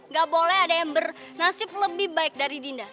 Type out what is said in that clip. gak boleh ada yang bernasib lebih baik dari dinda